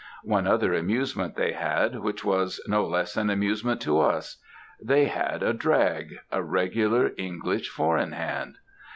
One other amusement they had, which was no less an amusement to us they had a drag a regular English four in hand.